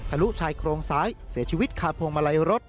ลุชายโครงซ้ายเสียชีวิตคาพวงมาลัยรถ